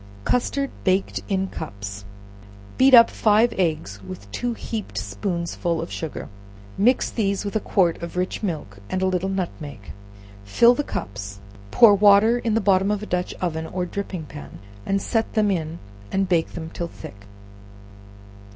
Custard baked in Cups. Beat up five eggs with two heaped spoonsful of sugar, mix these with a quart of rich milk and a little nutmeg; fill the cups, pour water in the bottom of a dutch oven or dripping pan, and set them in and bake them till thick.